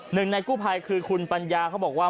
หนึ่งในกู้ภัยคือคุณปัญญาเขาบอกว่า